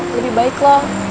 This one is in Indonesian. lebih baik lo